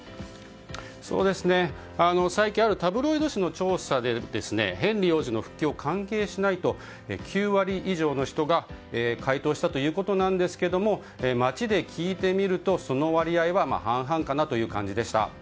最近あるタブロイド紙の調査でヘンリー王子の復帰を歓迎しないと９割以上の人が回答したということなんですが街で聞いてみると、その割合は半々かなという感じでした。